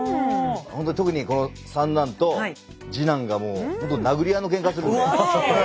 ほんとに特にこの三男と次男がもうほんと殴り合いのけんかするんで。